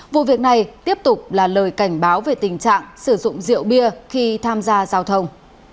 vụ việc này tiếp tục là lời cảnh báo về tình trạng sử dụng rượu bia khi tham gia giao thông